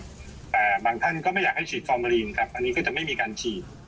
แต่บางท่านก็ไม่อยากให้ฉีดฟอร์มาลีนครับอันนี้ก็จะไม่มีการฉีด